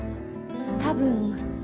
多分。